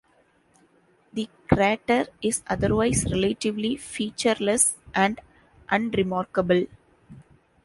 The crater is otherwise relatively featureless and unremarkable.